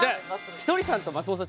ひとりさんと松本さん